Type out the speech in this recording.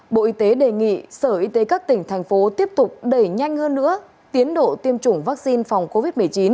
bộ y tế đề nghị sở y tế các tỉnh thành phố tiếp tục đẩy nhanh hơn nữa tiến độ tiêm chủng vaccine phòng covid một mươi chín